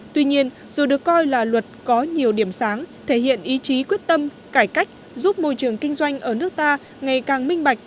tuy nhiên dù được coi là luật có nhiều điểm sáng thể hiện ý chí quyết tâm cải cách giúp môi trường kinh doanh ở nước ta ngày càng minh bạch